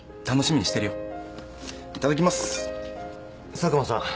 佐久間さん。